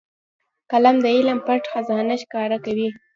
قلم د علم پټ خزانه ښکاره کوي